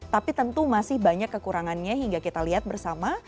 tapi tentu masih banyak kekurangannya hingga kita lihat bersama